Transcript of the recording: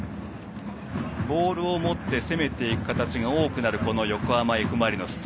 ボールを持って攻めていく形が多くなる横浜Ｆ・マリノス。